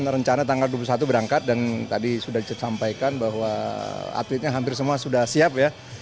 rencana tanggal dua puluh satu berangkat dan tadi sudah disampaikan bahwa atletnya hampir semua sudah siap ya